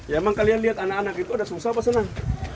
ya emang kalian lihat anak anak itu ada susah apa senang